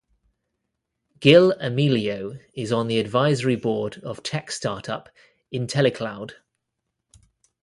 Gil Amelio is on the advisory board of tech start-up Intelicloud.